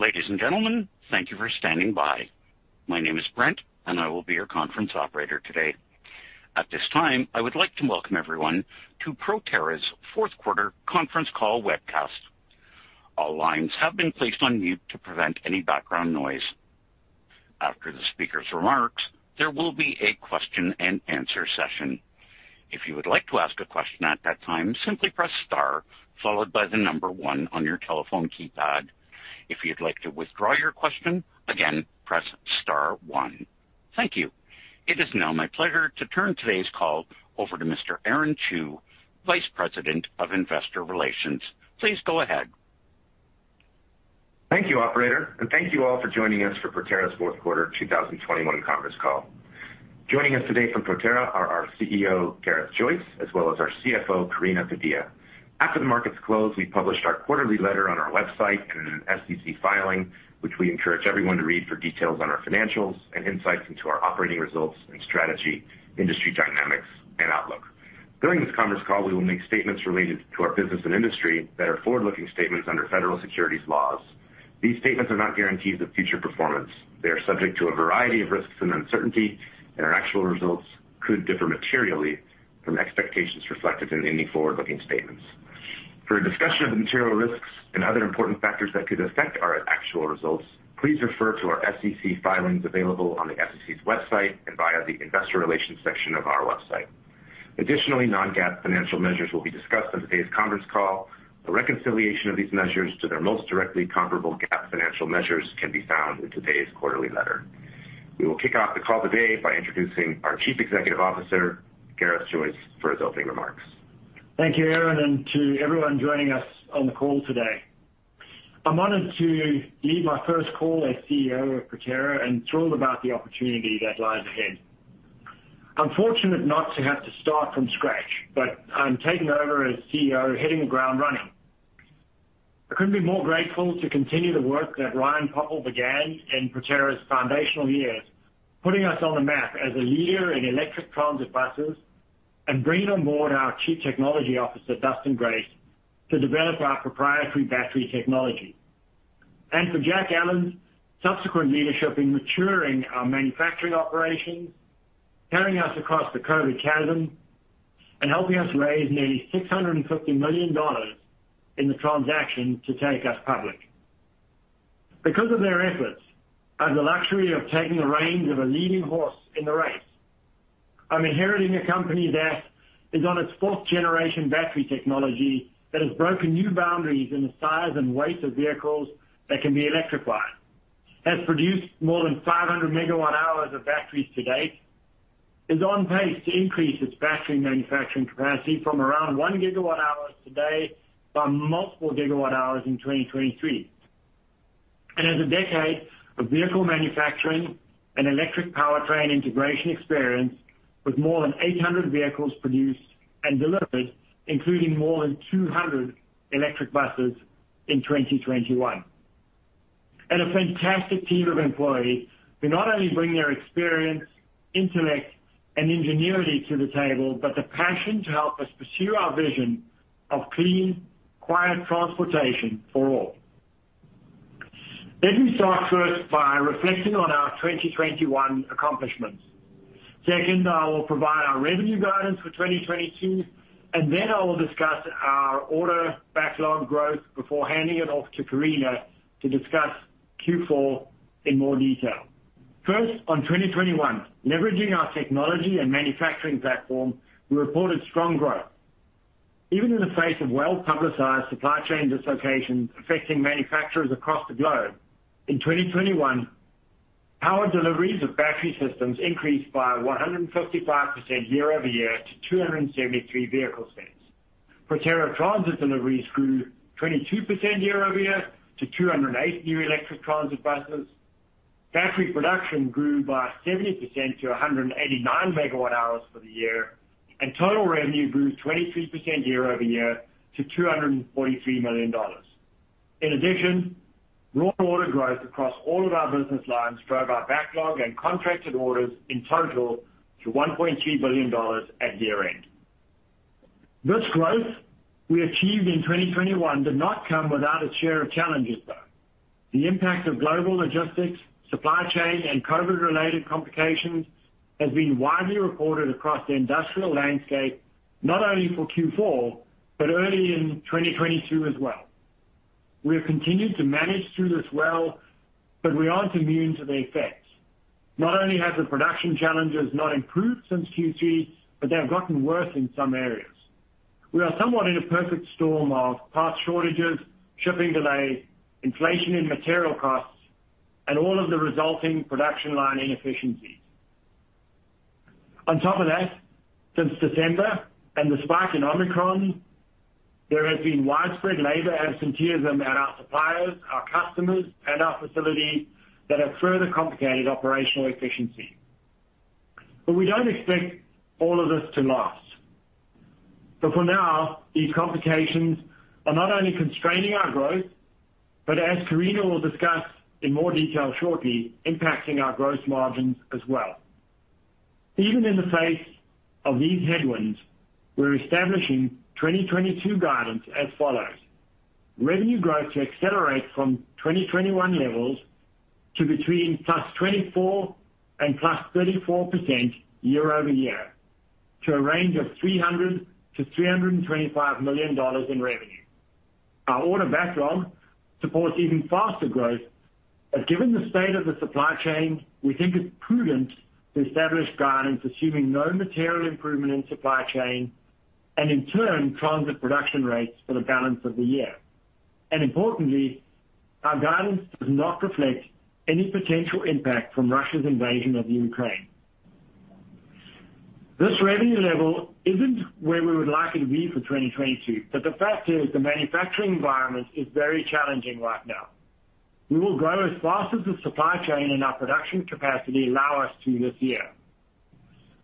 Ladies and gentlemen, thank you for standing by. My name is Brent, and I will be your conference operator today. At this time, I would like to welcome everyone to Proterra's fourth quarter conference call webcast. All lines have been placed on mute to prevent any background noise. After the speaker's remarks, there will be a question-and-answer session. If you would like to ask a question at that time, simply press star followed by the number one on your telephone keypad. If you'd like to withdraw your question, again, press star one. Thank you. It is now my pleasure to turn today's call over to Mr. Aaron Chew, Vice President of Investor Relations. Please go ahead. Thank you, operator, and thank you all for joining us for Proterra's fourth quarter 2021 conference call. Joining us today from Proterra are our CEO, Gareth Joyce, as well as our CFO, Karina Padilla. After the markets close, we published our quarterly letter on our website and an SEC filing, which we encourage everyone to read for details on our financials and insights into our operating results and strategy, industry dynamics, and outlook. During this conference call, we will make statements related to our business and industry that are forward-looking statements under federal securities laws. These statements are not guarantees of future performance. They are subject to a variety of risks and uncertainty, and our actual results could differ materially from expectations reflected in any forward-looking statements. For a discussion of the material risks and other important factors that could affect our actual results, please refer to our SEC filings available on the SEC's website and via the investor relations section of our website. Additionally, non-GAAP financial measures will be discussed on today's conference call. A reconciliation of these measures to their most directly comparable GAAP financial measures can be found in today's quarterly letter. We will kick off the call today by introducing our Chief Executive Officer, Gareth Joyce, for his opening remarks. Thank you, Aaron, and to everyone joining us on the call today. I'm honored to lead my first call as CEO of Proterra and thrilled about the opportunity that lies ahead. I'm fortunate not to have to start from scratch, but I'm taking over as CEO hitting the ground running. I couldn't be more grateful to continue the work that Ryan Popple began in Proterra's foundational years, putting us on the map as a leader in electric transit buses and bringing on board our Chief Technology Officer, Dustin Grace, to develop our proprietary battery technology. For Jack Allen's subsequent leadership in maturing our manufacturing operations, carrying us across the COVID chasm, and helping us raise nearly $650 million in the transaction to take us public. Because of their efforts, I have the luxury of taking the reins of a leading horse in the race. I'm inheriting a company that is on its fourth generation battery technology that has broken new boundaries in the size and weight of vehicles that can be electrified, has produced more than 500 megawatt-hours of batteries to date, is on pace to increase its battery manufacturing capacity from around one gigawatt-hours today by multiple gigawatt-hours in 2023. It has a decade of vehicle manufacturing and electric powertrain integration experience with more than 800 vehicles produced and delivered, including more than 200 electric buses in 2021. A fantastic team of employees who not only bring their experience, intellect, and ingenuity to the table, but the passion to help us pursue our vision of clean, quiet transportation for all. Let me start first by reflecting on our 2021 accomplishments. Second, I will provide our revenue guidance for 2022, and then I will discuss our order backlog growth before handing it off to Karina to discuss Q4 in more detail. First, on 2021, leveraging our technology and manufacturing platform, we reported strong growth. Even in the face of well-publicized supply chain dislocations affecting manufacturers across the globe, in 2021, Proterra Powered deliveries of battery systems increased by 155% year-over-year to 273 vehicle sales. Proterra Transit deliveries grew 22% year-over-year to 208 new electric transit buses. Factory production grew by 70% to 189 megawatt-hours for the year, and total revenue grew 23% year-over-year to $243 million. In addition, raw order growth across all of our business lines drove our backlog and contracted orders in total to $1.2 billion at year-end. This growth we achieved in 2021 did not come without its share of challenges, though. The impact of global logistics, supply chain, and COVID-related complications has been widely reported across the industrial landscape, not only for Q4, but early in 2022 as well. We have continued to manage through this well, but we aren't immune to the effects. Not only have the production challenges not improved since Q3, but they have gotten worse in some areas. We are somewhat in a perfect storm of parts shortages, shipping delays, inflation in material costs, and all of the resulting production line inefficiencies. On top of that, since December and the spike in Omicron, there has been widespread labor absenteeism at our suppliers, our customers, and our facilities that have further complicated operational efficiency. We don't expect all of this to last. For now, these complications are not only constraining our growth, but as Karina will discuss in more detail shortly, impacting our gross margins as well. Even in the face of these headwinds, we're establishing 2022 guidance as follows: revenue growth to accelerate from 2021 levels to between +24% and +34% year over year to a range of $300 million-$325 million in revenue. Our order backlog supports even faster growth, but given the state of the supply chain, we think it's prudent to establish guidance assuming no material improvement in supply chain and in turn transit production rates for the balance of the year. Importantly, our guidance does not reflect any potential impact from Russia's invasion of Ukraine. This revenue level isn't where we would like it to be for 2022, but the fact is the manufacturing environment is very challenging right now. We will grow as fast as the supply chain and our production capacity allow us to this year.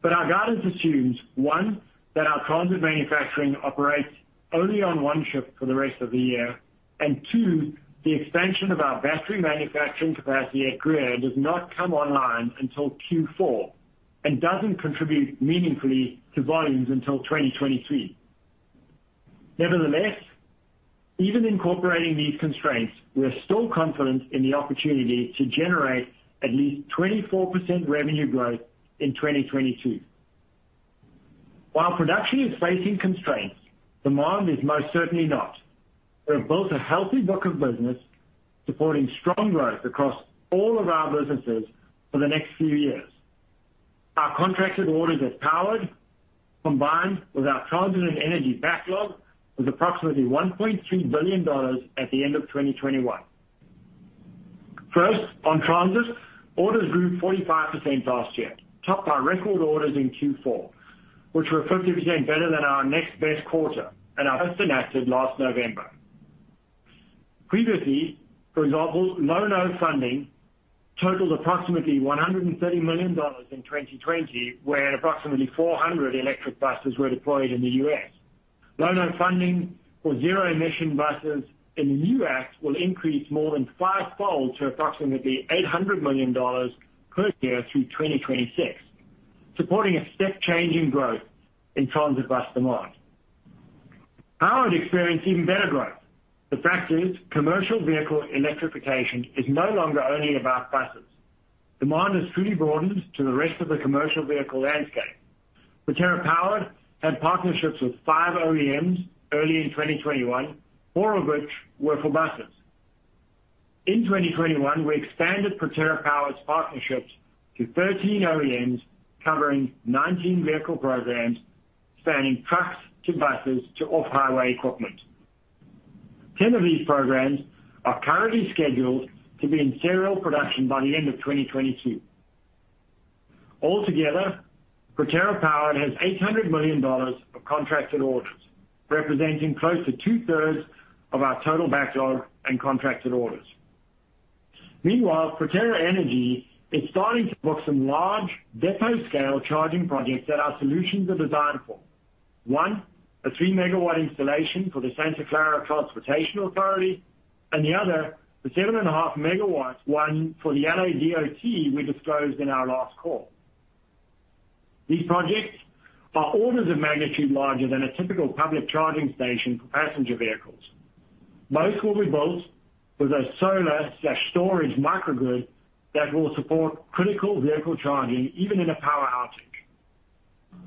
Our guidance assumes, one, that our transit manufacturing operates only on one shift for the rest of the year, and two, the expansion of our battery manufacturing capacity at Greer does not come online until Q4 and doesn't contribute meaningfully to volumes until 2023. Nevertheless, even incorporating these constraints, we are still confident in the opportunity to generate at least 24% revenue growth in 2022. While production is facing constraints, demand is most certainly not. We have built a healthy book of business supporting strong growth across all of our businesses for the next few years. Our contracted orders at Powered, combined with our Transit and Energy backlog, was approximately $1.3 billion at the end of 2021. First, on Transit, orders grew 45% last year, topped by record orders in Q4, which were 50% better than our next best quarter and are both enacted last November. Previously, for example, Low-No funding totaled approximately $130 million in 2020, where approximately 400 electric buses were deployed in the U.S. Low-No funding for zero-emission buses in the U.S. will increase more than five-fold to approximately $800 million per year through 2026, supporting a step change in growth in transit bus demand. Proterra Powered experienced even better growth. The fact is commercial vehicle electrification is no longer only about buses. Demand has truly broadened to the rest of the commercial vehicle landscape. Proterra Powered had partnerships with 5 OEMs early in 2021, four of which were for buses. In 2021, we expanded Proterra Powered's partnerships to 13 OEMs covering 19 vehicle programs, spanning trucks to buses to off-highway equipment. 10 of these programs are currently scheduled to be in serial production by the end of 2022. Altogether, Proterra Powered has $800 million of contracted orders, representing close to two-thirds of our total backlog and contracted orders. Meanwhile, Proterra Energy is starting to book some large depot-scale charging projects that our solutions are designed for. One, a 3-MW installation for the Santa Clara Valley Transportation Authority, and the other, the 7.5-MW one for the LA DOT we disclosed in our last call. These projects are orders of magnitude larger than a typical public charging station for passenger vehicles. Most will be built with a solar/storage microgrid that will support critical vehicle charging even in a power outage.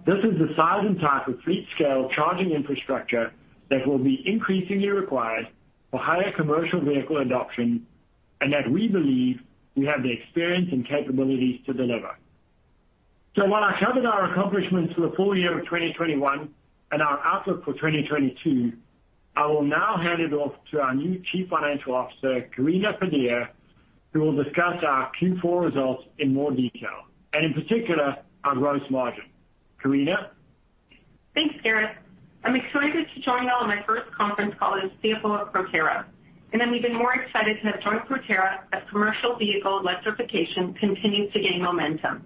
This is the size and type of fleet-scale charging infrastructure that will be increasingly required for higher commercial vehicle adoption and that we believe we have the experience and capabilities to deliver. While I covered our accomplishments for the full year of 2021 and our outlook for 2022, I will now hand it off to our new Chief Financial Officer, Karina Padilla, who will discuss our Q4 results in more detail and in particular, our gross margin. Karina? Thanks, Gareth. I'm excited to join you all on my first conference call as CFO of Proterra, and I'm even more excited to have joined Proterra as commercial vehicle electrification continues to gain momentum.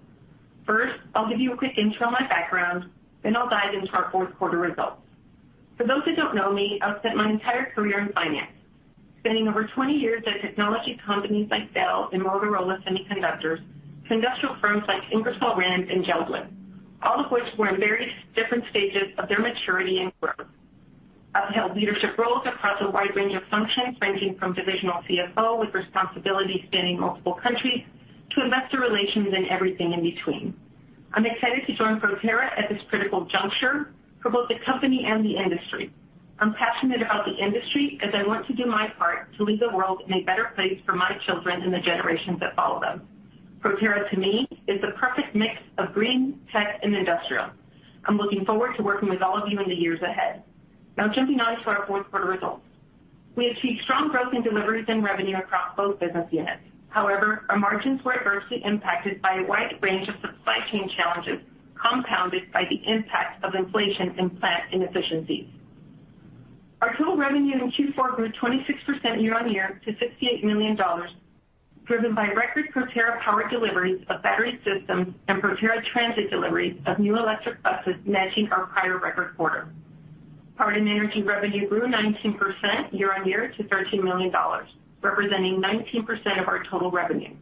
First, I'll give you a quick intro on my background, then I'll dive into our fourth quarter results. For those who don't know me, I've spent my entire career in finance, spending over 20 years at technology companies like Bell and Motorola Semiconductors, to industrial firms like Ingersoll Rand and JELD-WEN, all of which were in various different stages of their maturity and growth. I've held leadership roles across a wide range of functions, ranging from divisional CFO with responsibility spanning multiple countries to investor relations and everything in between. I'm excited to join Proterra at this critical juncture for both the company and the industry. I'm passionate about the industry as I want to do my part to leave the world in a better place for my children and the generations that follow them. Proterra, to me, is the perfect mix of green, tech, and industrial. I'm looking forward to working with all of you in the years ahead. Now jumping on to our fourth quarter results. We achieved strong growth in deliveries and revenue across both business units. However, our margins were adversely impacted by a wide range of supply chain challenges, compounded by the impact of inflation and plant inefficiencies. Our total revenue in Q4 grew 26% year-over-year to $68 million, driven by record Proterra Powered deliveries of battery systems and Proterra Transit deliveries of new electric buses matching our prior record quarter. Proterra Energy revenue grew 19% year-over-year to $13 million, representing 19% of our total revenue.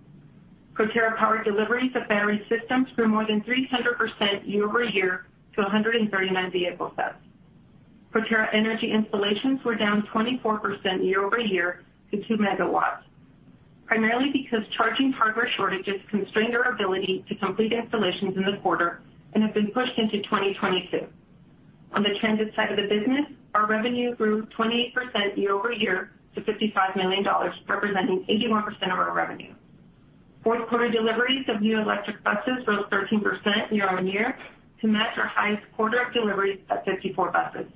Proterra Powered deliveries of battery systems grew more than 300% year-over-year to 139 vehicle sets. Proterra Energy installations were down 24% year-over-year to 2 MW, primarily because charging hardware shortages constrained our ability to complete installations in the quarter and have been pushed into 2022. On the transit side of the business, our revenue grew 28% year-over-year to $55 million, representing 81% of our revenue. Fourth quarter deliveries of new electric buses rose 13% year-over-year to match our highest quarter of deliveries at 54 buses.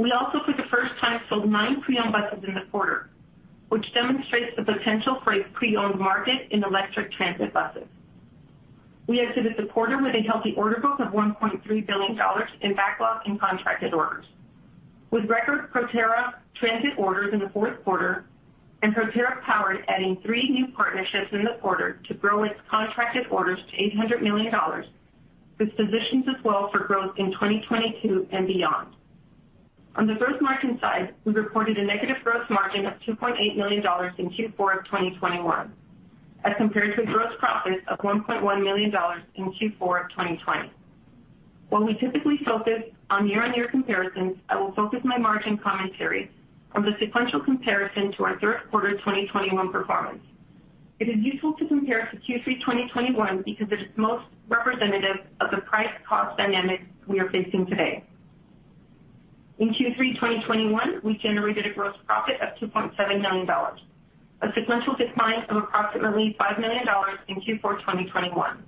We also for the first time sold nine pre-owned buses in the quarter, which demonstrates the potential for a pre-owned market in electric transit buses. We exited the quarter with a healthy order book of $1.3 billion in backlog and contracted orders. With record Proterra Transit orders in the fourth quarter and Proterra Powered adding three new partnerships in the quarter to grow its contracted orders to $800 million, this positions us well for growth in 2022 and beyond. On the gross margin side, we reported a negative gross margin of $2.8 million in Q4 of 2021, as compared to a gross profit of $1.1 million in Q4 of 2020. While we typically focus on year-on-year comparisons, I will focus my margin commentary on the sequential comparison to our third quarter 2021 performance. It is useful to compare to Q3 2021 because it is most representative of the price cost dynamics we are facing today. In Q3 2021, we generated a gross profit of $2.7 million, a sequential decline of approximately $5 million in Q4 2021.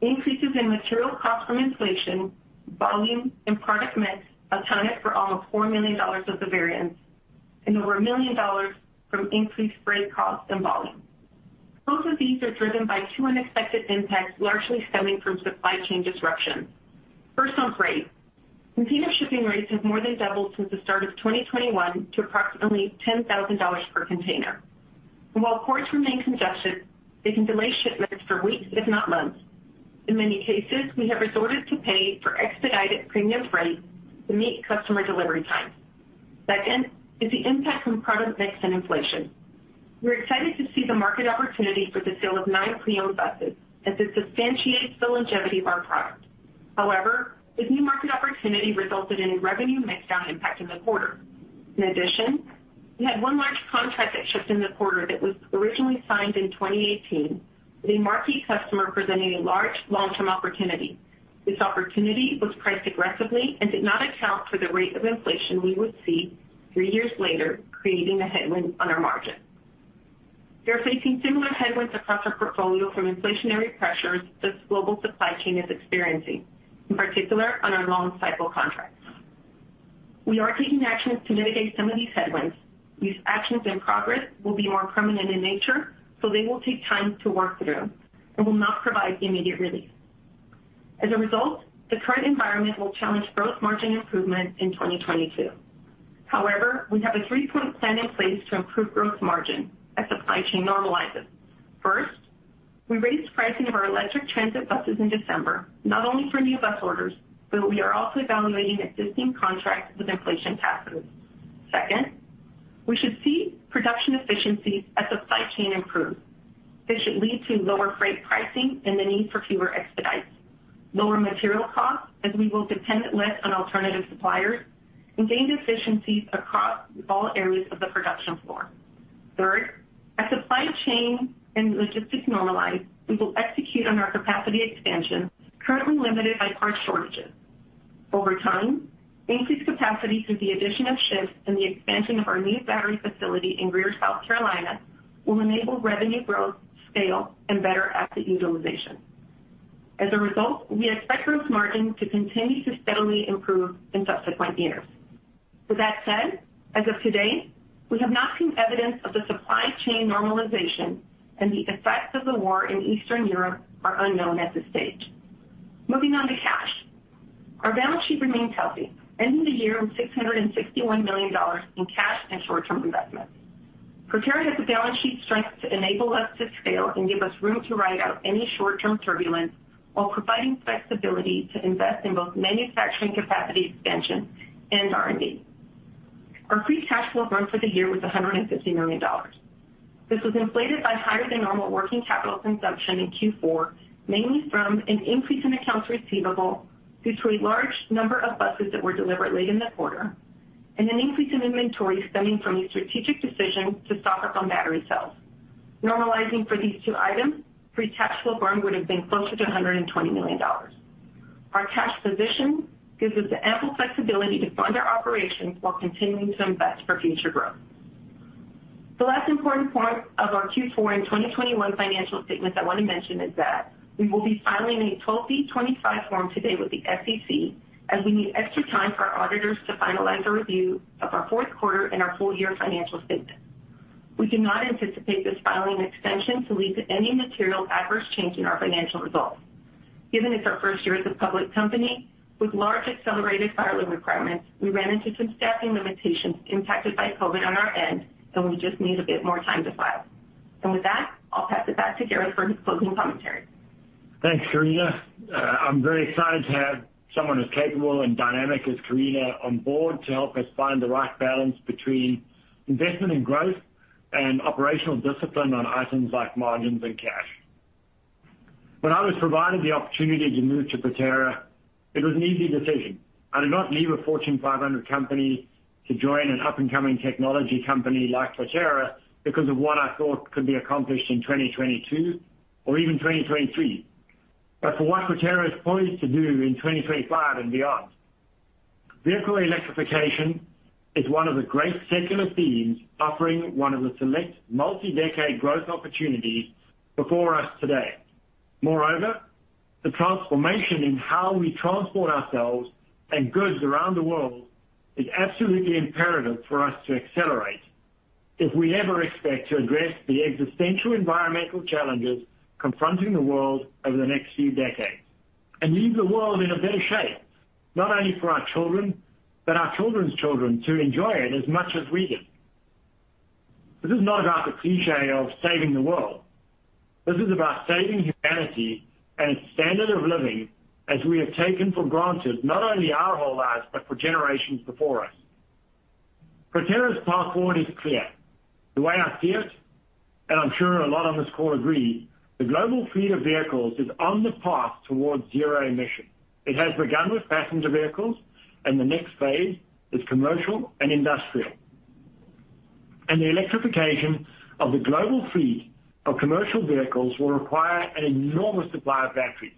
Increases in material costs from inflation, volume, and product mix accounted for almost $4 million of the variance and over $1 million from increased freight costs and volume. Both of these are driven by two unexpected impacts, largely stemming from supply chain disruptions. First, on freight. Container shipping rates have more than doubled since the start of 2021 to approximately $10,000 per container. While ports remain congested, they can delay shipments for weeks, if not months. In many cases, we have resorted to pay for expedited premium freight to meet customer delivery times. Second is the impact from product mix and inflation. We're excited to see the market opportunity for the sale of nine pre-owned buses, as this substantiates the longevity of our product. However, this new market opportunity resulted in a revenue mix down impact in the quarter. In addition, we had one large contract that shipped in the quarter that was originally signed in 2018 with a marquee customer presenting a large long-term opportunity. This opportunity was priced aggressively and did not account for the rate of inflation we would see three years later, creating a headwind on our margin. We are facing similar headwinds across our portfolio from inflationary pressures this global supply chain is experiencing, in particular on our long cycle contracts. We are taking actions to mitigate some of these headwinds. These actions and progress will be more permanent in nature, so they will take time to work through and will not provide immediate relief. As a result, the current environment will challenge growth margin improvement in 2022. However, we have a three-point plan in place to improve growth margin as supply chain normalizes. First, we raised pricing of our electric transit buses in December, not only for new bus orders, but we are also evaluating existing contracts with inflation passes. Second, we should see production efficiency as supply chain improves. This should lead to lower freight pricing and the need for fewer expedites, lower material costs, as we will depend less on alternative suppliers, and gain efficiencies across all areas of the production floor. Third, as supply chain and logistics normalize, we will execute on our capacity expansion, currently limited by part shortages. Over time, increased capacity through the addition of shifts and the expansion of our new battery facility in Greer, South Carolina, will enable revenue growth, scale, and better asset utilization. As a result, we expect growth margin to continue to steadily improve in subsequent years. With that said, as of today, we have not seen evidence of the supply chain normalization, and the effects of the war in Eastern Europe are unknown at this stage. Moving on to cash. Our balance sheet remains healthy, ending the year with $661 million in cash and short-term investments. Proterra has the balance sheet strength to enable us to scale and give us room to ride out any short-term turbulence while providing flexibility to invest in both manufacturing capacity expansion and R&D. Our free cash flow burn for the year was $150 million. This was inflated by higher than normal working capital consumption in Q4, mainly from an increase in accounts receivable due to a large number of buses that were delivered late in the quarter, and an increase in inventory stemming from a strategic decision to stock up on battery cells. Normalizing for these two items, free cash flow burn would have been closer to $120 million. Our cash position gives us the ample flexibility to fund our operations while continuing to invest for future growth. The last important point of our Q4 and 2021 financial statements I want to mention is that we will be filing a 12b-25 form today with the SEC, as we need extra time for our auditors to finalize a review of our fourth quarter and our full year financial statements. We do not anticipate this filing extension to lead to any material adverse change in our financial results. Given it's our first year as a public company with large accelerated filing requirements, we ran into some staffing limitations impacted by COVID on our end, and we just need a bit more time to file. With that, I'll pass it back to Gareth for his closing commentary. Thanks, Karina. I'm very excited to have someone as capable and dynamic as Karina on board to help us find the right balance between investment and growth and operational discipline on items like margins and cash. When I was provided the opportunity to move to Proterra, it was an easy decision. I did not leave a Fortune 500 company to join an up-and-coming technology company like Proterra because of what I thought could be accomplished in 2022 or even 2023, but for what Proterra is poised to do in 2025 and beyond. Vehicle electrification is one of the great secular themes offering one of the select multi-decade growth opportunities before us today. Moreover, the transformation in how we transport ourselves and goods around the world is absolutely imperative for us to accelerate if we ever expect to address the existential environmental challenges confronting the world over the next few decades and leave the world in a better shape, not only for our children, but our children's children, to enjoy it as much as we did. This is not about the cliché of saving the world. This is about saving humanity and its standard of living as we have taken for granted, not only our whole lives, but for generations before us. Proterra's path forward is clear. The way I see it, and I'm sure a lot on this call agree, the global fleet of vehicles is on the path towards zero emission. It has begun with passenger vehicles, and the next phase is commercial and industrial. The electrification of the global fleet of commercial vehicles will require an enormous supply of batteries.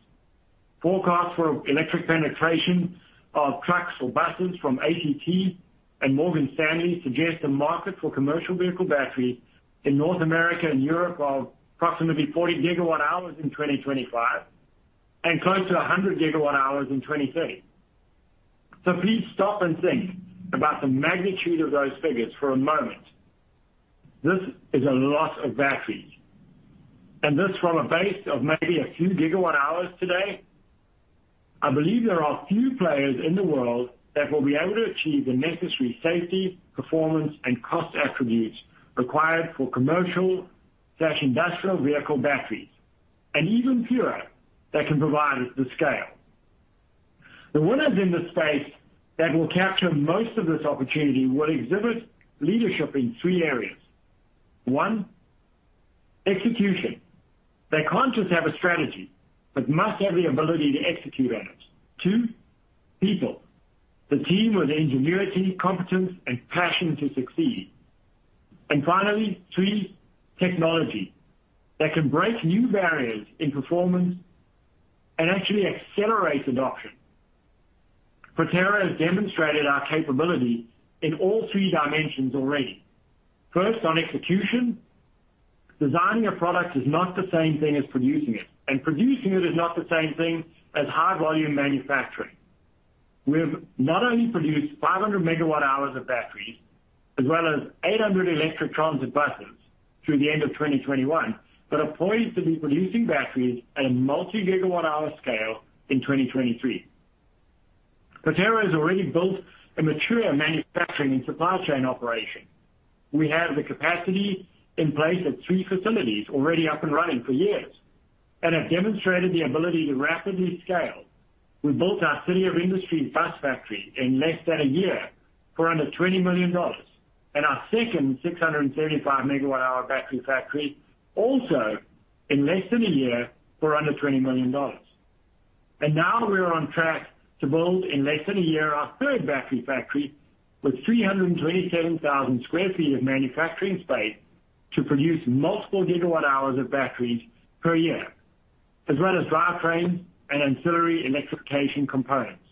Forecasts for electric penetration of trucks or buses from ACT and Morgan Stanley suggest a market for commercial vehicle batteries in North America and Europe of approximately 40 gigawatt-hours in 2025 and close to 100 gigawatt-hours in 2030. Please stop and think about the magnitude of those figures for a moment. This is a lot of batteries. This from a base of maybe a few gigawatt-hours today. I believe there are few players in the world that will be able to achieve the necessary safety, performance, and cost attributes required for commercial/industrial vehicle batteries, and even fewer that can provide it the scale. The winners in this space that will capture most of this opportunity will exhibit leadership in three areas. One, execution. They can't just have a strategy, but must have the ability to execute on it. Two, people. The team with ingenuity, competence and passion to succeed. Finally, three, technology that can break new barriers in performance and actually accelerate adoption. Proterra has demonstrated our capability in all three dimensions already. First, on execution. Designing a product is not the same thing as producing it, and producing it is not the same thing as high-volume manufacturing. We've not only produced 500 megawatt-hours of batteries as well as 800 electric transit buses through the end of 2021, but are poised to be producing batteries at a multi-gigawatt-hour scale in 2023. Proterra has already built a mature manufacturing and supply chain operation. We have the capacity in place at three facilities already up and running for years and have demonstrated the ability to rapidly scale. We built our City of Industry bus factory in less than a year for under $20 million and our second 635-megawatt-hour battery factory also in less than a year for under $20 million. Now we're on track to build, in less than a year, our third battery factory with 327,000 sq ft of manufacturing space to produce multiple gigawatt-hours of batteries per year, as well as drivetrains and ancillary electrification components.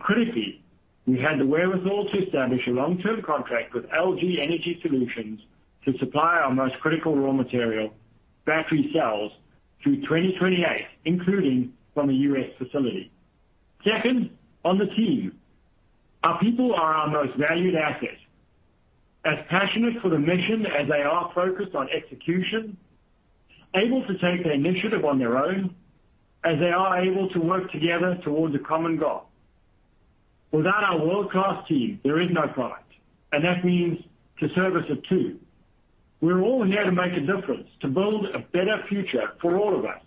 Critically, we had the wherewithal to establish a long-term contract with LG Energy Solution to supply our most critical raw material, battery cells, through 2028, including from a U.S. facility. Second, on the team. Our people are our most valued asset. As passionate for the mission as they are focused on execution, able to take the initiative on their own, as they are able to work together towards a common goal. Without our world-class team, there is no product, and that means the service too. We're all here to make a difference, to build a better future for all of us.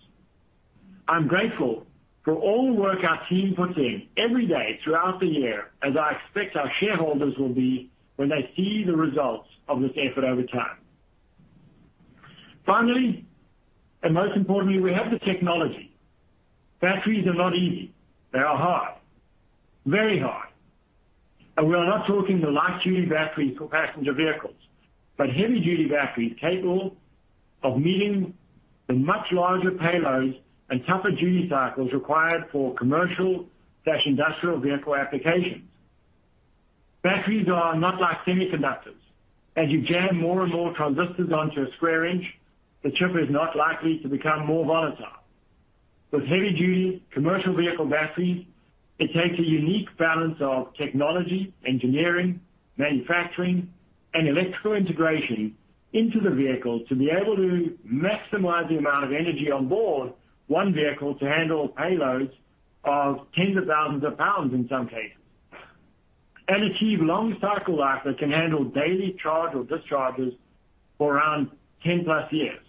I'm grateful for all work our team puts in every day throughout the year, as I expect our shareholders will be when they see the results of this effort over time. Finally, and most importantly, we have the technology. Batteries are not easy. They are hard. Very hard. We are not talking the light-duty batteries for passenger vehicles, but heavy-duty batteries capable of meeting the much larger payloads and tougher duty cycles required for commercial-industrial vehicle applications. Batteries are not like semiconductors. As you jam more and more transistors onto a square inch, the chip is not likely to become more volatile. With heavy-duty commercial vehicle batteries, it takes a unique balance of technology, engineering, manufacturing, and electrical integration into the vehicle to be able to maximize the amount of energy on board one vehicle to handle payloads of tens of thousands of pounds in some cases, achieve long cycle life that can handle daily charge or discharges for around 10+ years,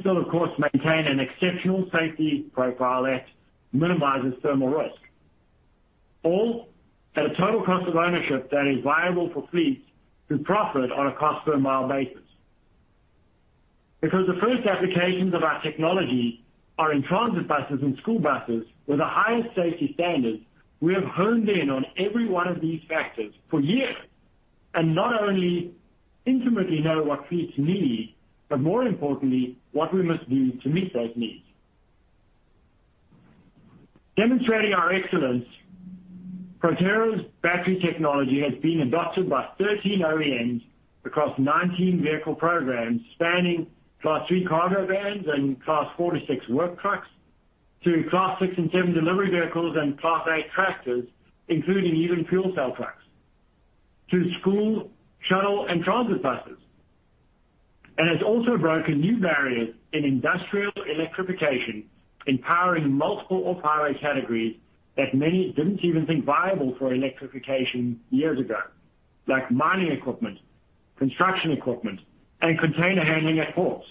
still, of course, maintain an exceptional safety profile that minimizes thermal risk, all at a total cost of ownership that is viable for fleets to profit on a cost per mile basis. Because the first applications of our technology are in transit buses and school buses with the highest safety standards, we have honed in on every one of these factors for years, and not only intimately know what fleets need, but more importantly, what we must do to meet those needs. Demonstrating our excellence, Proterra's battery technology has been adopted by 13 OEMs across 19 vehicle programs spanning Class three cargo vans and Class 4-6 work trucks, to Class six and seven delivery vehicles and Class eight tractors, including even fuel cell trucks, to school, shuttle, and transit buses. It's also broken new barriers in industrial electrification, empowering multiple off-highway categories that many didn't even think viable for electrification years ago, like mining equipment, construction equipment, and container handling at ports.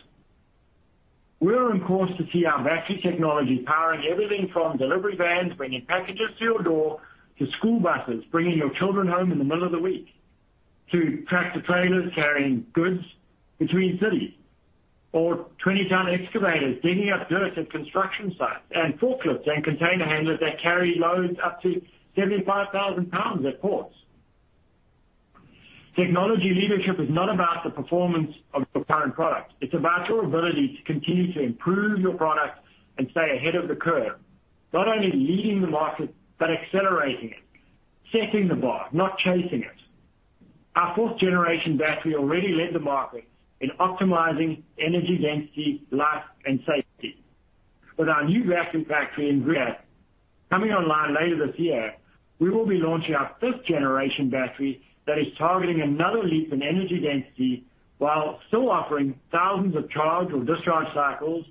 We are on course to see our battery technology powering everything from delivery vans, bringing packages to your door, to school buses, bringing your children home in the middle of the week, to tractor-trailers carrying goods between cities, or 20-ton excavators digging up dirt at construction sites, and forklifts and container handlers that carry loads up to 75,000 pounds at ports. Technology leadership is not about the performance of the current product. It's about your ability to continue to improve your product and stay ahead of the curve, not only leading the market, but accelerating it, setting the bar, not chasing it. Our fourth generation battery already led the market in optimizing energy density, life, and safety. With our new battery factory in Greer coming online later this year, we will be launching our fifth generation battery that is targeting another leap in energy density while still offering thousands of charge or discharge cycles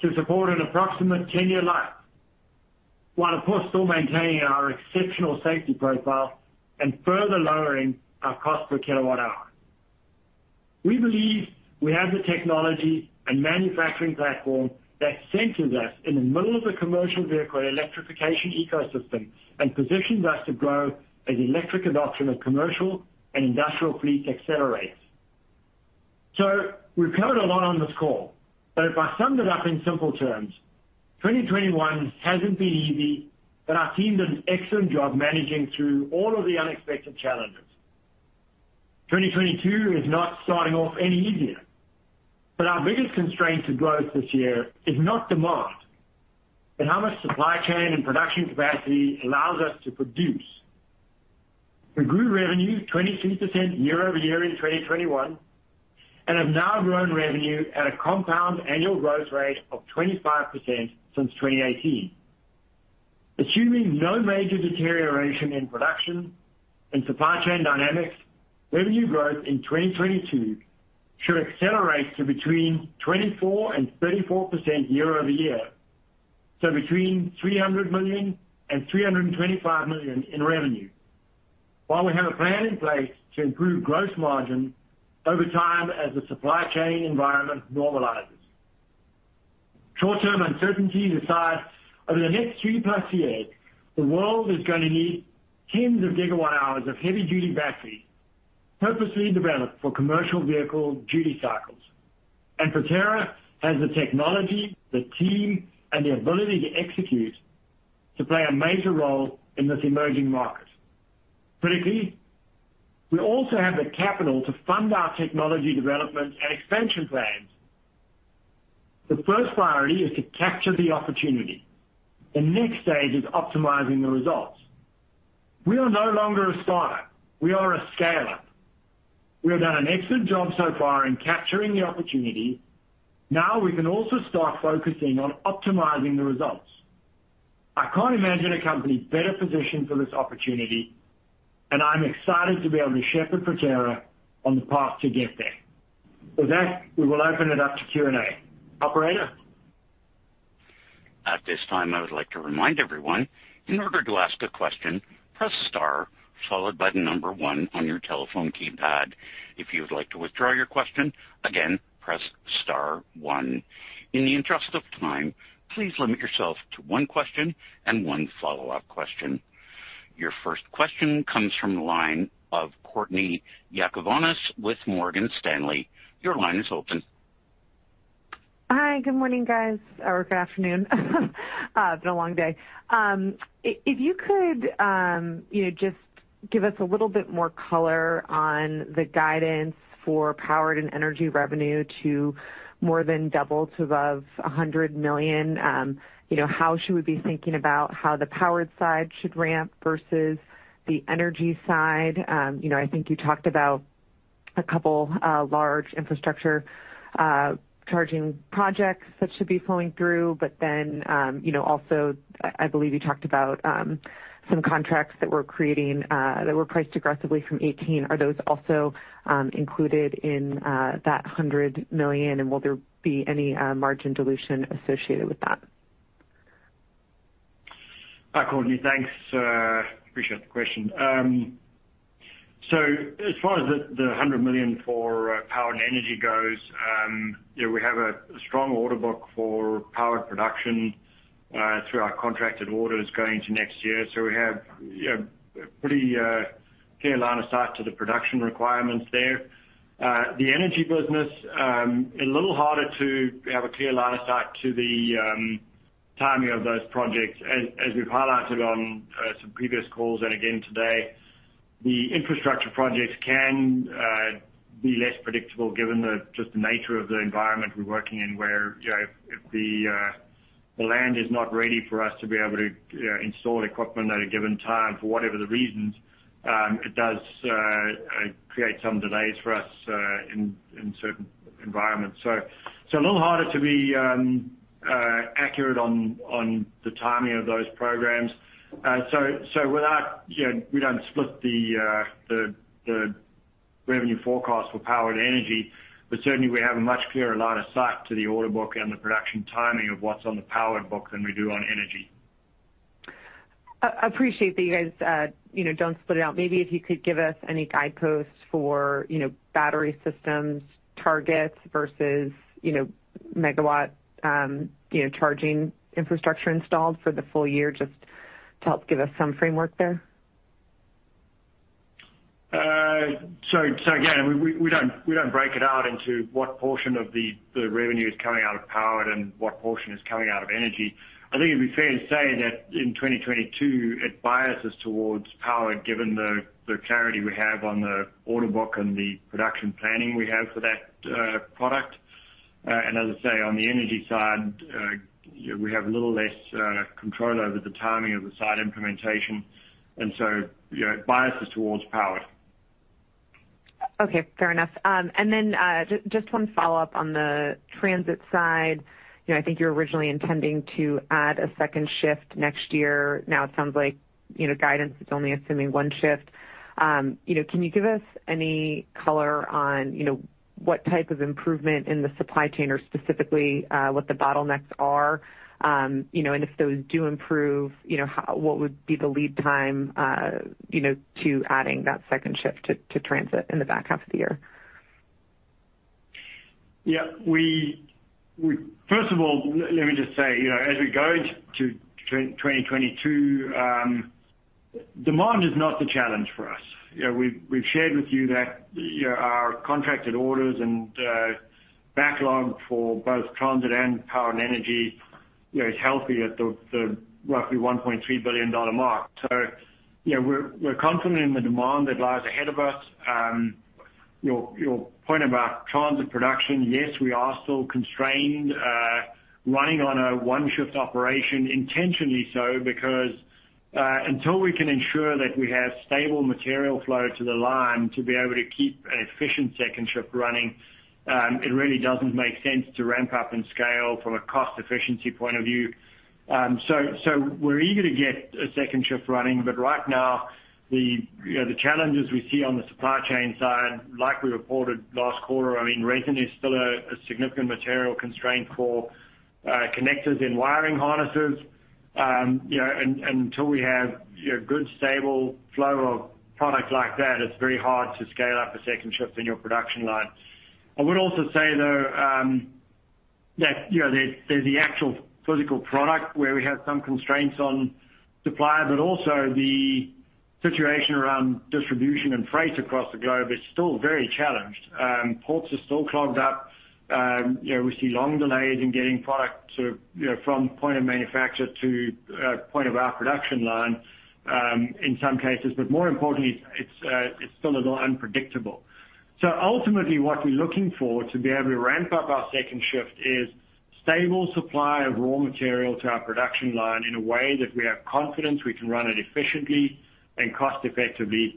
to support an approximate 10-year life, while of course, still maintaining our exceptional safety profile and further lowering our cost per kilowatt-hour. We believe we have the technology and manufacturing platform that centers us in the middle of the commercial vehicle electrification ecosystem and positions us to grow as electric adoption of commercial and industrial fleets accelerates. We've covered a lot on this call, but if I sum it up in simple terms, 2021 hasn't been easy, but our team did an excellent job managing through all of the unexpected challenges. 2022 is not starting off any easier, but our biggest constraint to growth this year is not demand, but how much supply chain and production capacity allows us to produce. We grew revenue 22% year-over-year in 2021, and have now grown revenue at a compound annual growth rate of 25% since 2018. Assuming no major deterioration in production and supply chain dynamics, revenue growth in 2022 should accelerate to between 24%-34% year-over-year. Between $300 million and $325 million in revenue, while we have a plan in place to improve gross margin over time as the supply chain environment normalizes. Short-term uncertainty aside, over the next 3+ years, the world is gonna need tens of gigawatt-hours of heavy-duty batteries purposely developed for commercial vehicle duty cycles. Proterra has the technology, the team, and the ability to execute to play a major role in this emerging market. Critically, we also have the capital to fund our technology development and expansion plans. The first priority is to capture the opportunity. The next stage is optimizing the results. We are no longer a starter. We are a scaler. We have done an excellent job so far in capturing the opportunity. Now we can also start focusing on optimizing the results. I can't imagine a company better positioned for this opportunity, and I'm excited to be able to shepherd Proterra on the path to get there. With that, we will open it up to Q&A. Operator? At this time, I would like to remind everyone, in order to ask a question, press star followed by the number one on your telephone keypad. If you would like to withdraw your question, again, press star one. In the interest of time, please limit yourself to one question and one follow-up question. Your first question comes from the line of Courtney Yakavonis with Morgan Stanley. Your line is open. Hi. Good morning, guys, or good afternoon. It's been a long day. If you could, you know, just give us a little bit more color on the guidance for powered and energy revenue to more than double to above $100 million, you know, how should we be thinking about how the powered side should ramp versus the energy side? You know, I think you talked about a couple large infrastructure charging projects that should be flowing through. But then, you know, also I believe you talked about some contracts that we're creating that were priced aggressively from 2018. Are those also included in that $100 million? And will there be any margin dilution associated with that? Hi, Courtney. Thanks, I appreciate the question. As far as the $100 million for power and energy goes, you know, we have a strong order book for power production through our contracted orders going into next year. We have, you know, a pretty clear line of sight to the production requirements there. The energy business is a little harder to have a clear line of sight to the timing of those projects. As we've highlighted on some previous calls and again today, the infrastructure projects can be less predictable given just the nature of the environment we're working in where you know if the land is not ready for us to be able to you know install equipment at a given time for whatever the reasons it does create some delays for us in certain environments. It's a little harder to be accurate on the timing of those programs. Without you know we don't split the revenue forecast for power and energy, but certainly we have a much clearer line of sight to the order book and the production timing of what's on the power book than we do on energy. Appreciate that you guys, you know, don't split it out. Maybe if you could give us any guideposts for, you know, battery systems targets versus, you know, megawatt, you know, charging infrastructure installed for the full year, just to help give us some framework there. Again, we don't break it out into what portion of the revenue is coming out of power and what portion is coming out of energy. I think it'd be fair to say that in 2022, it biases towards power given the clarity we have on the order book and the production planning we have for that product. As I say, on the energy side, you know, we have a little less control over the timing of the site implementation. You know, it biases towards power. Okay. Fair enough. Just one follow-up on the transit side. You know, I think you're originally intending to add a second shift next year. Now it sounds like, you know, guidance is only assuming one shift. You know, can you give us any color on, you know, what type of improvement in the supply chain or specifically, what the bottlenecks are? You know, and if those do improve, you know, what would be the lead time, you know, to adding that second shift to transit in the back half of the year? Yeah. We first of all, let me just say, you know, as we go into 2022, demand is not the challenge for us. You know, we've shared with you that, you know, our contracted orders and backlog for both transit and power and energy, you know, is healthy at the roughly $1.3 billion mark. You know, we're confident in the demand that lies ahead of us. Your point about transit production, yes, we are still constrained, running on a one-shift operation intentionally so because until we can ensure that we have stable material flow to the line to be able to keep an efficient second shift running, it really doesn't make sense to ramp up and scale from a cost efficiency point of view. We're eager to get a second shift running, but right now you know, the challenges we see on the supply chain side, like we reported last quarter, I mean, resin is still a significant material constraint for connectors and wiring harnesses. You know, until we have you know, good, stable flow of product like that, it's very hard to scale up a second shift in your production line. I would also say, though, that there's the actual physical product where we have some constraints on supply, but also the situation around distribution and freight across the globe is still very challenged. Ports are still clogged up. You know, we see long delays in getting product to you know, from point of manufacture to point of our production line, in some cases. More importantly, it's still a little unpredictable. Ultimately, what we're looking for to be able to ramp up our second shift is stable supply of raw material to our production line in a way that we have confidence we can run it efficiently and cost effectively.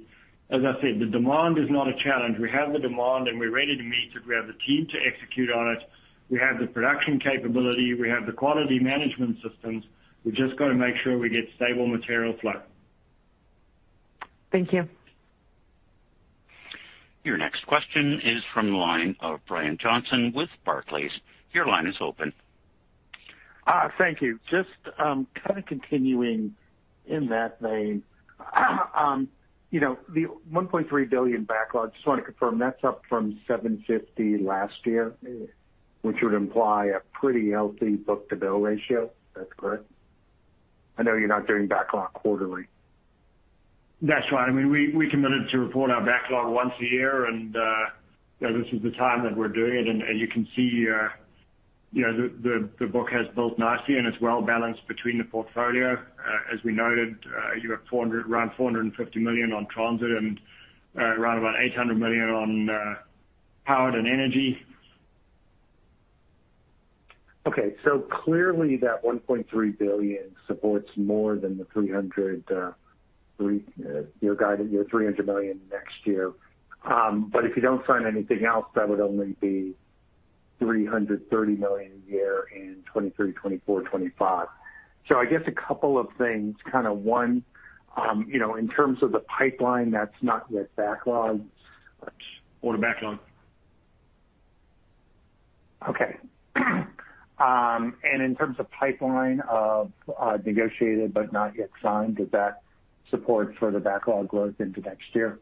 As I said, the demand is not a challenge. We have the demand, and we're ready to meet it. We have the team to execute on it. We have the production capability. We have the quality management systems. We've just got to make sure we get stable material flow. Thank you. Your next question is from the line of Brian Johnson with Barclays. Your line is open. Thank you. Just, kinda continuing in that vein. You know, the $1.3 billion backlog, just wanna confirm that's up from $750 million last year, which would imply a pretty healthy book-to-bill ratio. That's correct? I know you're not doing backlog quarterly. That's right. I mean, we committed to report our backlog once a year and, you know, this is the time that we're doing it. You can see, you know, the book has built nicely, and it's well balanced between the portfolio. As we noted, you have $400 million-$450 million on transit and, around about $800 million on power and energy. Okay. Clearly that $1.3 billion supports more than the $303 million, your guidance for the year $300 million next year. If you don't sign anything else, that would only be $330 million a year in 2023, 2024, 2025. I guess a couple of things. Kind of one, you know, in terms of the pipeline that's not yet backlogged. Order backlog. Okay. In terms of pipeline of negotiated but not yet signed, does that support further backlog growth into next year?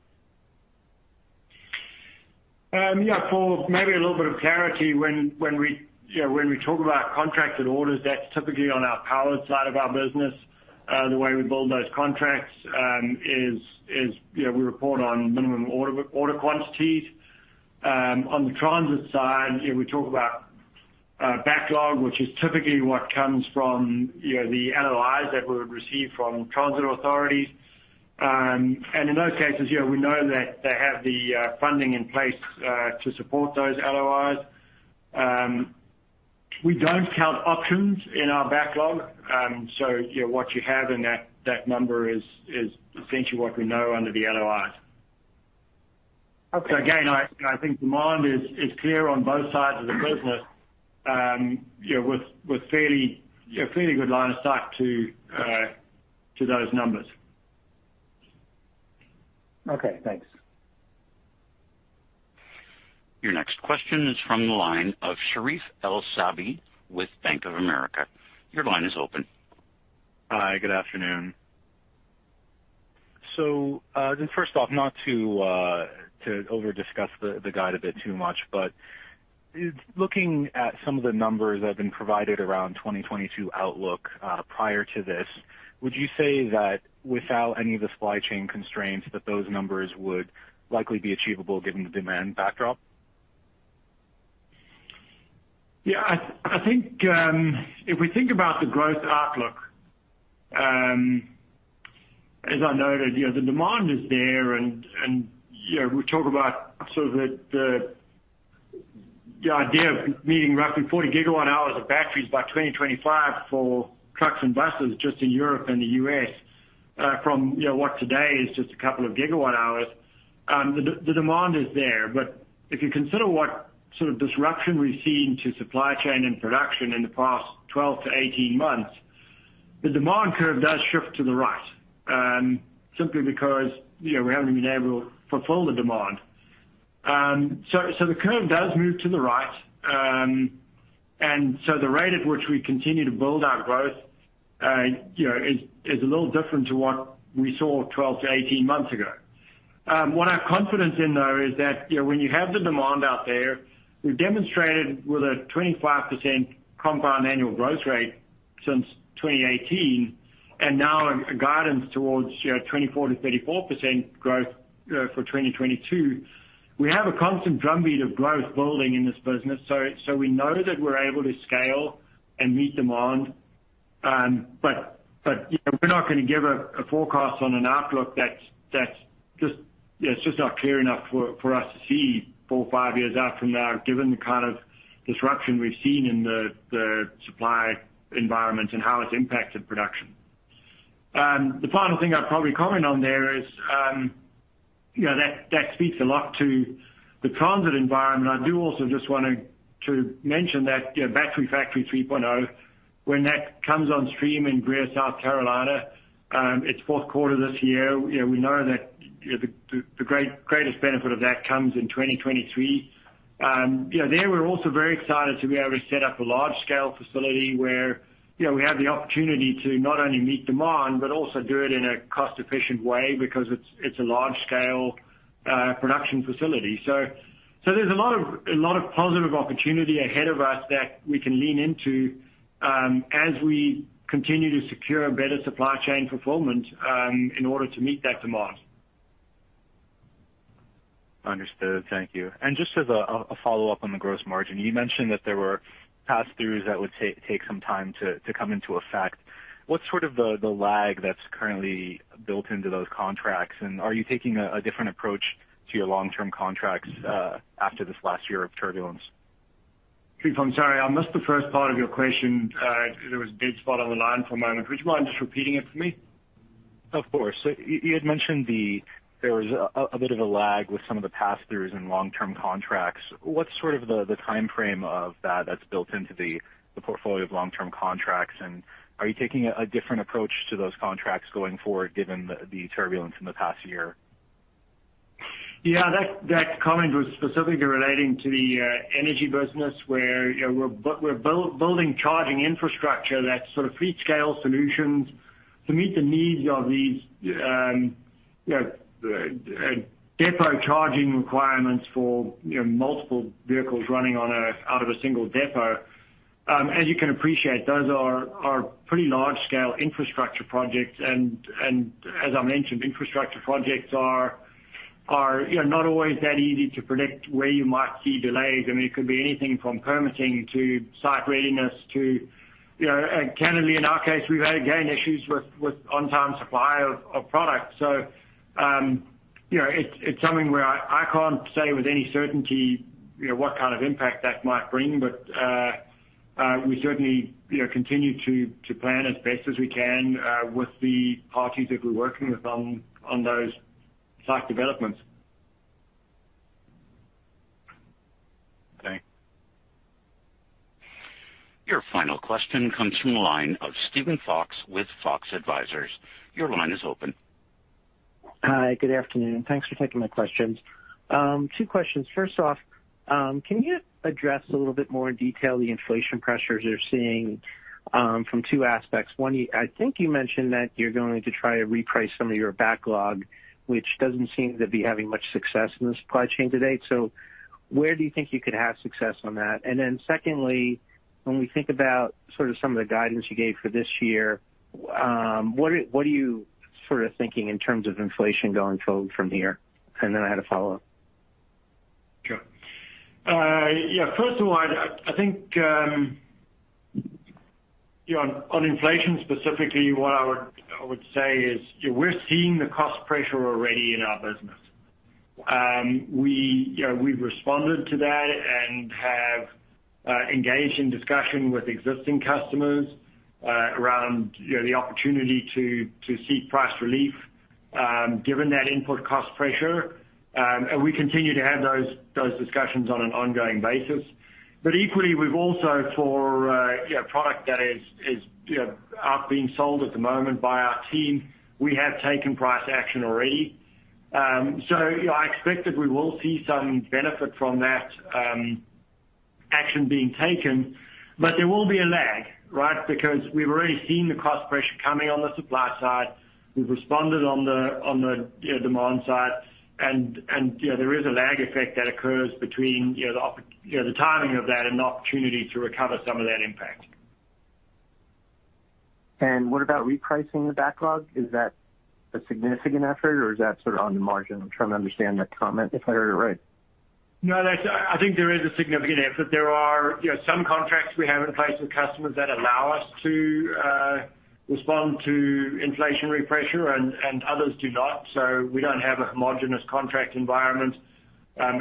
Yeah, Paul, maybe a little bit of clarity when we talk about contracted orders, that's typically on our power side of our business. The way we build those contracts is, you know, we report on minimum order quantities. On the transit side, you know, we talk about backlog, which is typically what comes from the LOIs that we would receive from transit authorities. In those cases, you know, we know that they have the funding in place to support those LOIs. We don't count options in our backlog, so, you know, what you have in that number is essentially what we know under the LOIs. Okay. Again, you know, I think demand is clear on both sides of the business, you know, with fairly good line of sight to those numbers. Okay, thanks. Your next question is from the line of Sherif El-Sabbahy with Bank of America. Your line is open. Hi, good afternoon. Just first off, not to over-discuss the guide a bit too much, but looking at some of the numbers that have been provided around 2022 outlook, prior to this, would you say that without any of the supply chain constraints, those numbers would likely be achievable given the demand backdrop? Yeah. I think, if we think about the growth outlook, as I noted, you know, the demand is there, and, you know, we talk about sort of the idea of needing roughly 40 gigawatt-hours of batteries by 2025 for trucks and buses just in Europe and the U.S., from, you know, what today is just a couple of gigawatt-hours. The demand is there. If you consider what sort of disruption we've seen to supply chain and production in the past 12-18 months, the demand curve does shift to the right, simply because, you know, we haven't been able to fulfill the demand. The curve does move to the right. The rate at which we continue to build our growth, you know, is a little different to what we saw 12-18 months ago. Our confidence in, though, is that, you know, when you have the demand out there, we've demonstrated with a 25% compound annual growth rate since 2018 and now a guidance towards, you know, 24%-34% growth for 2022. We have a constant drumbeat of growth building in this business, so we know that we're able to scale and meet demand. You know, we're not gonna give a forecast on an outlook that's just. Yeah, it's just not clear enough for us to see 4 or 5 years out from now, given the kind of disruption we've seen in the supply environment and how it's impacted production. The final thing I'd probably comment on there is, you know, that speaks a lot to the transit environment. I do also just want to mention that, you know, EV battery system manufacturing plant, when that comes on stream in Greer, South Carolina, it's fourth quarter this year. You know, we know that, you know, the greatest benefit of that comes in 2023. You know, there, we're also very excited to be able to set up a large scale facility where, you know, we have the opportunity to not only meet demand, but also do it in a cost-efficient way because it's a large scale production facility. So there's a lot of positive opportunity ahead of us that we can lean into as we continue to secure better supply chain performance in order to meet that demand. Understood. Thank you. Just as a follow-up on the gross margin, you mentioned that there were pass-throughs that would take some time to come into effect. What's sort of the lag that's currently built into those contracts? Are you taking a different approach to your long-term contracts after this last year of turbulence? Sherif, I'm sorry. I missed the first part of your question. There was a dead spot on the line for a moment. Would you mind just repeating it for me? Of course. You had mentioned there was a bit of a lag with some of the pass-throughs in long-term contracts. What's sort of the timeframe of that that's built into the portfolio of long-term contracts? And are you taking a different approach to those contracts going forward given the turbulence in the past year? Yeah, that comment was specifically relating to the energy business where, you know, we're building charging infrastructure that's sort of fleet scale solutions to meet the needs of these, you know, depot charging requirements for, you know, multiple vehicles running out of a single depot. As you can appreciate, those are pretty large scale infrastructure projects. As I mentioned, infrastructure projects are, you know, not always that easy to predict where you might see delays. I mean, it could be anything from permitting to site readiness to, you know. Candidly, in our case, we've had, again, issues with on-time supply of product. So, you know, it's something where I can't say with any certainty, you know, what kind of impact that might bring. We certainly, you know, continue to plan as best as we can with the parties that we're working with on those site developments. Okay. Your final question comes from the line of Steven Fox with FOX Advisors. Your line is open. Hi. Good afternoon. Thanks for taking my questions. Two questions. First off, can you address a little bit more in detail the inflation pressures you're seeing, from two aspects? One, I think you mentioned that you're going to try to reprice some of your backlog, which doesn't seem to be having much success in the supply chain to date. So where do you think you could have success on that? And then secondly, when we think about sort of some of the guidance you gave for this year, what are you sort of thinking in terms of inflation going forward from here? And then I had a follow-up. Sure. Yeah, first of all, I think, you know, on inflation specifically, what I would say is we're seeing the cost pressure already in our business. We've responded to that and have engaged in discussion with existing customers, around, you know, the opportunity to seek price relief, given that input cost pressure. We continue to have those discussions on an ongoing basis. Equally, we've also for, you know, product that is, you know, are being sold at the moment by our team, we have taken price action already. You know, I expect that we will see some benefit from that action being taken, but there will be a lag, right? Because we've already seen the cost pressure coming on the supply side. We've responded on the, you know, demand side. You know, there is a lag effect that occurs between, you know, the timing of that and the opportunity to recover some of that impact. What about repricing the backlog? Is that a significant effort or is that sort of on the margin? I'm trying to understand that comment, if I heard it right. No, I think there is a significant effort. There are, you know, some contracts we have in place with customers that allow us to respond to inflationary pressure and others do not. We don't have a homogeneous contract environment.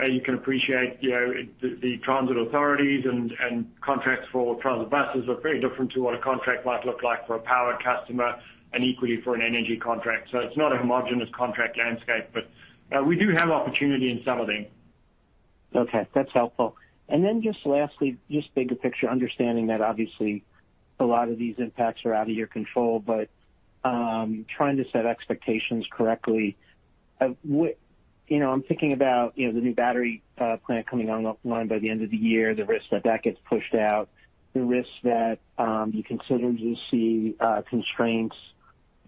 You can appreciate, you know, the transit authorities and contracts for transit buses are very different to what a contract might look like for a power customer and equally for an energy contract. It's not a homogeneous contract landscape, but we do have opportunity in some of them. Okay, that's helpful. Then just lastly, just bigger picture, understanding that obviously a lot of these impacts are out of your control, but trying to set expectations correctly. You know, I'm thinking about, you know, the new battery plant coming online by the end of the year, the risk that that gets pushed out, the risk that you continue to see constraints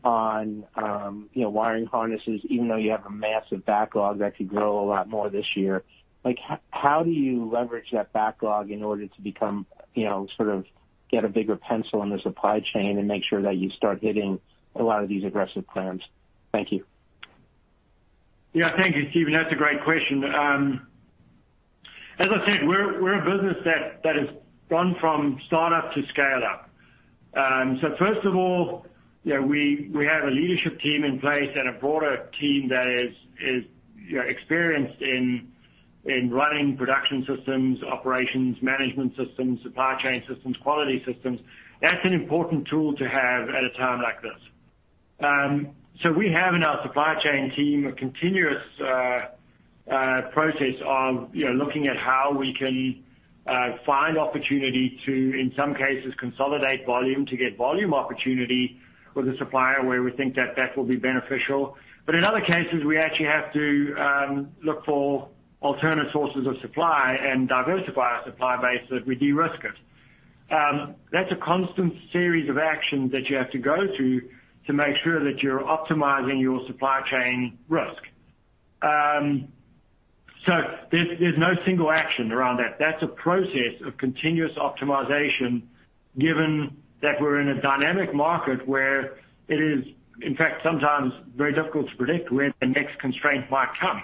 on, you know, wiring harnesses, even though you have a massive backlog that could grow a lot more this year. Like, how do you leverage that backlog in order to become, you know, sort of get a bigger pencil in the supply chain and make sure that you start hitting a lot of these aggressive plans? Thank you. Yeah. Thank you, Steven. That's a great question. As I said, we're a business that has gone from start up to scale up. First of all, you know, we have a leadership team in place and a broader team that is, you know, experienced in running production systems, operations, management systems, supply chain systems, quality systems. That's an important tool to have at a time like this. We have in our supply chain team a continuous process of, you know, looking at how we can find opportunity to, in some cases, consolidate volume to get volume opportunity with a supplier where we think that will be beneficial. In other cases, we actually have to look for alternate sources of supply and diversify our supply base so that we de-risk it. That's a constant series of actions that you have to go through to make sure that you're optimizing your supply chain risk. There's no single action around that. That's a process of continuous optimization given that we're in a dynamic market where it is, in fact, sometimes very difficult to predict when the next constraint might come.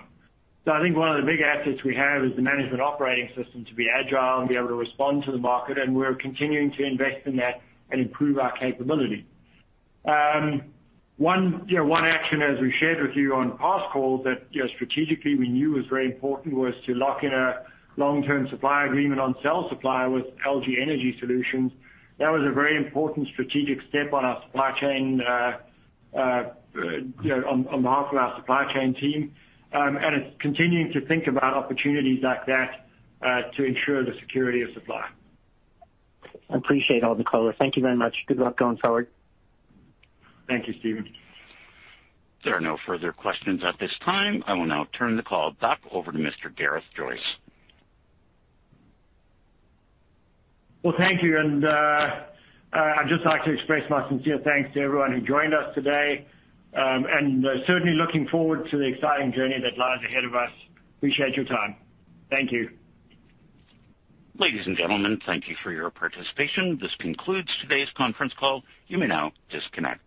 I think one of the big assets we have is the management operating system to be agile and be able to respond to the market, and we're continuing to invest in that and improve our capability. You know, one action as we shared with you on past calls that, you know, strategically we knew was very important was to lock in a long-term supply agreement on cell supply with LG Energy Solution. That was a very important strategic step on our supply chain, you know, on behalf of our supply chain team. It's continuing to think about opportunities like that, to ensure the security of supply. I appreciate all the color. Thank you very much. Good luck going forward. Thank you, Steven. There are no further questions at this time. I will now turn the call back over to Mr. Gareth Joyce. Well, thank you. I'd just like to express my sincere thanks to everyone who joined us today and certainly looking forward to the exciting journey that lies ahead of us. Appreciate your time. Thank you. Ladies and gentlemen, thank you for your participation. This concludes today's conference call. You may now disconnect.